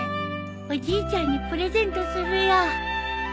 おじいちゃんにプレゼントするよ。